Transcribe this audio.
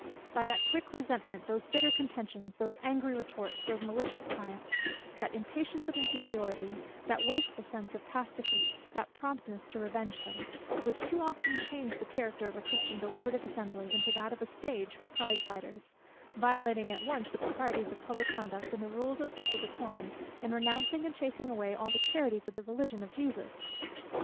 by that quick resentment, those bitter contentions, those angry retorts, those malicious triumphs, that impatience of inferiority, that wakeful sense of past defeats, and promptness to revenge them, which too often change the character of a Christian deliberative Assembly, into that of a stage for prize fighters: violating at once the proprieties of public conduct, and the rules of social decorum, and renouncing and chasing away all the charities of the Religion of Jesus!